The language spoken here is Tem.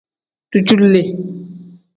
Dujuule.